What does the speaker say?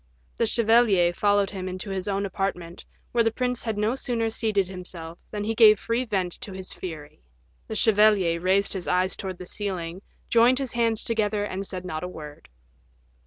The chevalier followed him to his own apartment, where the prince had no sooner seated himself than he gave free vent to his fury. The chevalier raised his eyes towards the ceiling, joined his hands together, and said not a word.